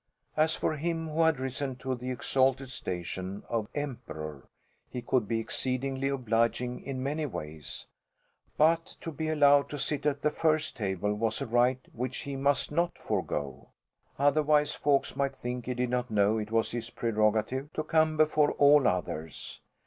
As for him who had risen to the exalted station of Emperor, he could be exceedingly obliging in many ways, but to be allowed to sit at the first table was a right which he must not forgo; otherwise folks might think he did not know it was his prerogative to come before all others.